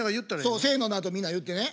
そう「せの」のあとみんな言ってね。